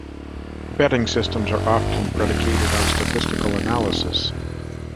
Betting systems are often predicated on statistical analysis.